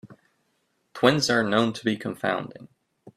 Twins are known to be confounding.